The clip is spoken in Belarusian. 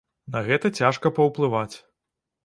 На гэта цяжка паўплываць.